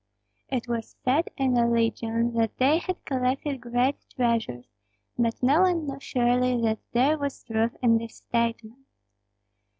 It was said in the legion that they had collected great treasures, but no one knew surely that there was truth in this statement.